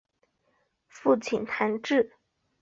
父亲谭智。